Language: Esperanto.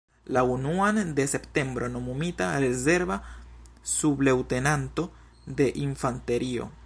La unuan de septembro nomumita rezerva subleŭtenanto de infanterio.